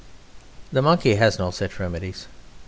The Monkey has no such remedies.